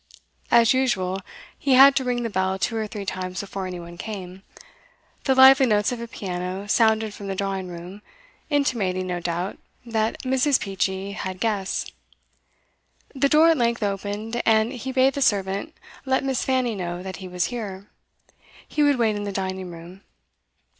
As usual, he had to ring the bell two or three times before any one came; the lively notes of a piano sounded from the drawing room, intimating, no doubt, that Mrs. Peachey had guests. The door at length opened, and he bade the servant let Miss. Fanny know that he was here; he would wait in the dining room.